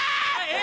え？